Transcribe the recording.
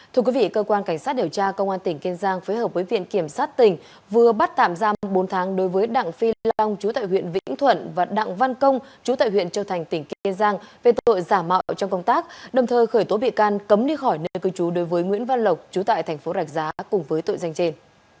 thưa quý vị cơ quan cảnh sát điều tra công an tỉnh kiên giang phối hợp với viện kiểm sát tỉnh vừa bắt tạm giam bốn tháng đối với đặng phi long chú tại huyện vĩnh thuận và đặng văn công chú tại huyện châu thành tỉnh kiên giang về tội giả mạo trong công tác đồng thời khởi tố bị can cấm đi khỏi nơi cư trú đối với nguyễn văn lộc chú tại thành phố rạch giá cùng với tội danh trên